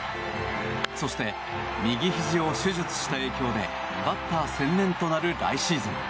そして右ひじを手術した影響でバッター専念となる来シーズン。